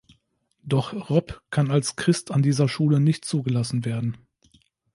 Doch Rob kann als Christ an dieser Schule nicht zugelassen werden.